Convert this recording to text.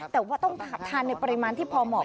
แต่ว่าต้องทานในปริมาณที่พอเหมาะ